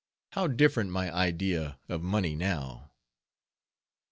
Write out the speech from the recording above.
How different my idea of money now!